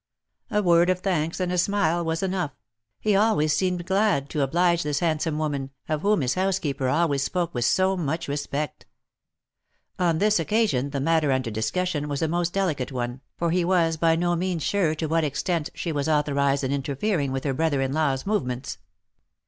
A word of thanks and a smile was enough ; he always seemed glad to oblige this handsome woman, of whom his housekeeper always spoke with so much respect. On this occasion the matter under discussion was a most delicate one, for he was by no means sure to what extent she was authorized in interfering with her brother in law's movements.